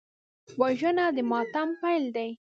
وژنه د ماتم پیل دی